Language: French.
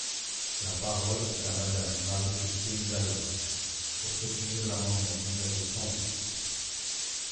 La parole est à Madame Marie-Christine Dalloz, pour soutenir l’amendement numéro cent huit.